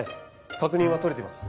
確認は取れています。